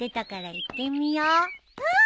うん。